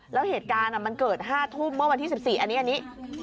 แล้วเหตุการณ์อ่ะมันเกิดห้าทุ่มเมื่อวันที่สิบสี่อันนี้อันนี้